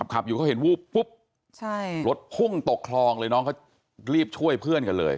ขับอยู่เขาเห็นวูบปุ๊บรถพุ่งตกคลองเลยน้องเขารีบช่วยเพื่อนกันเลย